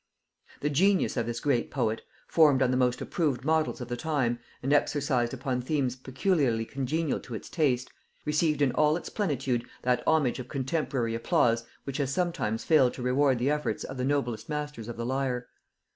The genius of this great poet, formed on the most approved models of the time, and exercised upon themes peculiarly congenial to its taste, received in all its plenitude that homage of contemporary applause which has sometimes failed to reward the efforts of the noblest masters of the lyre.